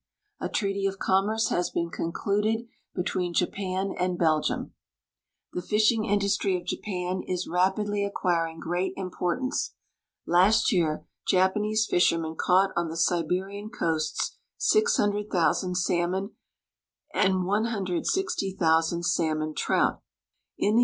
A treaty of commerce has been concluded between Japan and Belgium. The fisliing industr}'^ of Japan is rajiidly acquiring great importance. Last year Japanese fishermen caught on the Siberian coasts 600,000 salmon and 160,000 salmon trout. In the i.